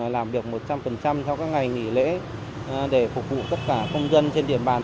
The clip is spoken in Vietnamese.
làm được một trăm linh theo các ngày nghỉ lễ để phục vụ tất cả công dân trên địa bàn